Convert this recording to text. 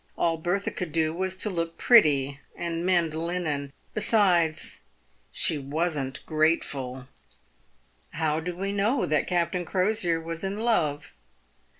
All Bertha could do was to look pretty, and mend linen. Besides, she wasn't grateful. How do we know that Captain Crosier was in love